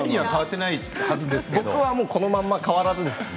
僕はこのまま変わらずです。